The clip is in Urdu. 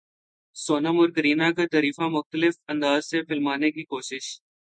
سونم اور کرینہ کا تعریفاں مختلف انداز سے فلمانے کی کوشش